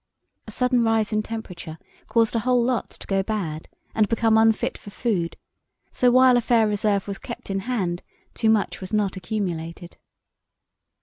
A sudden rise in temperature caused a whole lot to go bad and become unfit for food, so while a fair reserve was kept in hand too much was not accumulated.